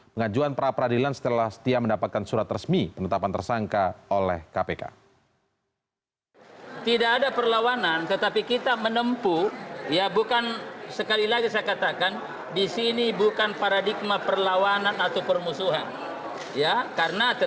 pengajuan pra peradilan setelah setia mendapatkan surat resmi penetapan tersangka oleh kpk